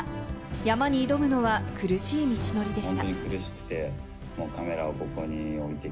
山に挑むのは苦しい道のりでした。